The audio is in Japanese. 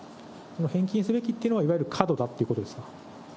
返金すべきということは、いわゆる過度だっていうことですか？